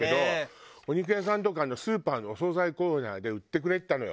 お肉屋さんとかスーパーのお総菜コーナーで売ってくれてたのよ